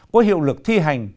có hiệu lực thi hành